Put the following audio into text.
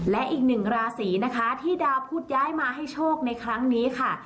และอีกหนึ่งราศีนะคะที่ดาวพุทธย้ายมาให้โชคในครั้งนี้ค่ะ